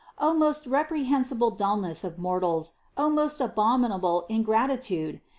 O most reprehensible dull ness of mortals ! O most abominable ingratitude